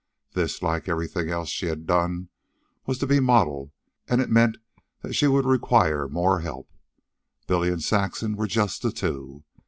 This, like everything she had done, would be model, and it meant that she would require more help. Billy and Saxon were just the two.